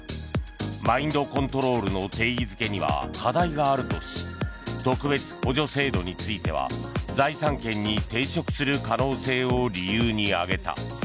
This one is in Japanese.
マインドコントロールの定義付けには課題があるとし特別補助制度については財産権に抵触する可能性を理由に挙げた。